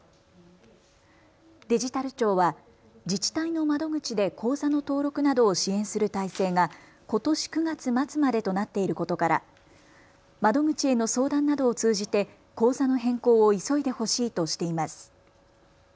デジタル庁は自治体の窓口で口座の登録などを支援する体制がことし９月末までとなっていることから窓口への相談などを通じて口座の変更を急いでほしいとしています。